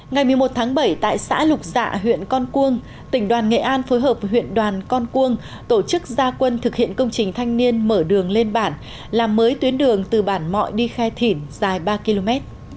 ngày một mươi một tháng bảy tại xã lục dạ huyện con cuông tỉnh đoàn nghệ an phối hợp với huyện đoàn con cuông tổ chức gia quân thực hiện công trình thanh niên mở đường lên bản làm mới tuyến đường từ bản mọi đi khai thỉn dài ba km